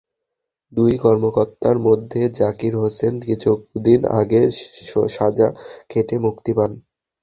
দুই কর্মকর্তার মধ্যে জাকির হোসেন কিছুদিন আগে সাজা খেটে মুক্তি পান।